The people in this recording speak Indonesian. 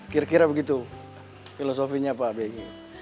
kira kira begitu filosofinya pak begi